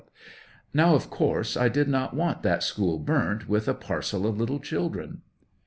now, of course, I did not want that school burnt with a parcel of little children.